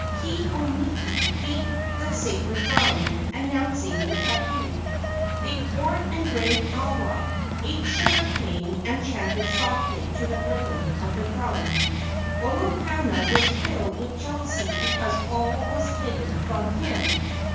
Ke au miki beat the sacred drum, announcing the tabu. They poured and drank awa, ate sugar cane and chanted softly to the rhythm of the drum. Olopana was filled with jealousy because all was hidden from him.